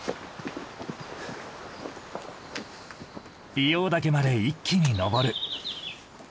硫黄岳まで一気に登る。